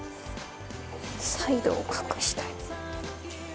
サイドを隠したい。